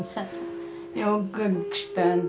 よく来たね。